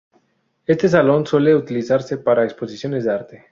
Este salón suele utilizarse para exposiciones de arte.